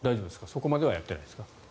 そこまではやってないですか？